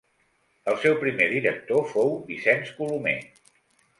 El seu primer director fou Vicenç Colomer.